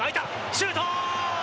シュート！